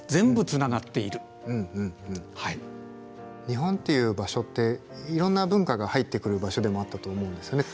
日本っていう場所っていろんな文化が入ってくる場所でもあったと思うんですよね。